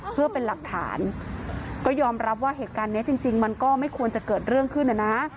เพื่อเป็นหลักฐานก็ยอมรับว่าเหตุการณ์นี้จริงมันก็ไม่ควรจะเกิดเรื่องขึ้นนะนะ